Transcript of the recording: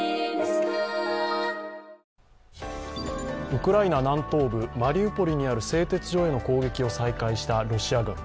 ウクライナ南東部マリウポリにある製鉄所への攻撃を再開したロシア軍。